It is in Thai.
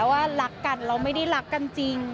ว่ารักกันเราไม่ได้รักกันจริง